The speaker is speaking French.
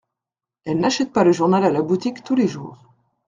Elles n’achètent pas le journal à la boutique tous les jours.